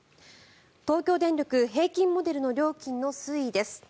東京電力平均モデルの料金の推移です。